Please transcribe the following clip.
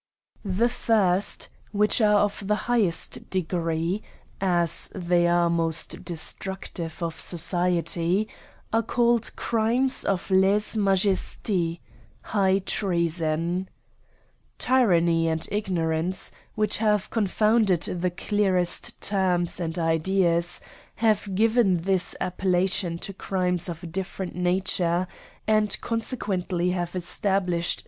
The first, which are of the highest degree, as they are most destructive to society, are called crimes o{ leze majesty.^ Tyranny and ignorance, which have confounded the clearest terms and ideas, have given this appellation to crimes of a different nature, and consequently have establish * High Treason. CRIMES AND Pim^SHMENTS. ^T ed.